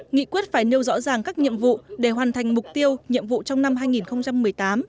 nghị quyết phải nêu rõ ràng các nhiệm vụ để hoàn thành mục tiêu nhiệm vụ trong năm hai nghìn một mươi tám